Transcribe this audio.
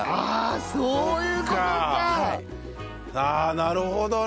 なるほどね。